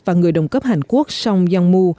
và người đồng cấp hàn quốc song yong mu